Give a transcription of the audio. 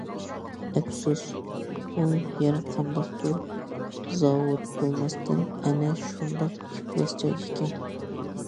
ئەپسۇس بۇ يەر قانداقتۇر« زاۋۇت» بولماستىن ئەنە شۇنداق ئىپلاس جاي ئىكەن.